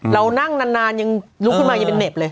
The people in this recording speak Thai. เรานั่งนานยังลุกขึ้นมายังเป็นเหน็บเลย